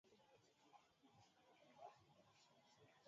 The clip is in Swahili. Kila asubuhi lazima ninywe chai na mkate.